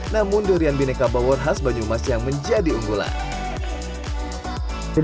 namun durian bineka bawor khas banyumas yang menjadi unggulan